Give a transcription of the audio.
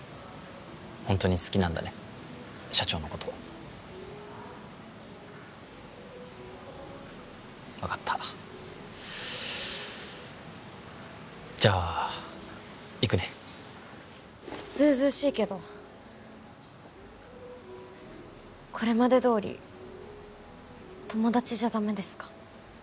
ホントに好きなんだね社長のこと分かったじゃあ行くねずうずうしいけどこれまでどおり友達じゃダメですか？